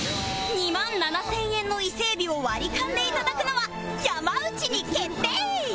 ２万７０００円の伊勢海老をワリカンでいただくのは山内に決定